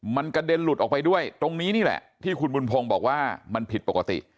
มันกระเด็นหลุดออกไปด้วยตรงนี้นี่แหละที่คุณบุญพงศ์บอกว่ามันผิดปกติ